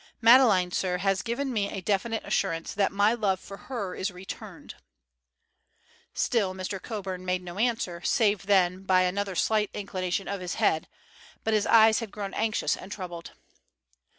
Madeleine, sir, has given me a definite assurance that my love for her is returned." Still Mr. Coburn made no answer, save then by another slight inclination of his head, but his eyes had grown anxious and troubled.